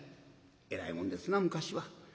えらいもんですな昔は。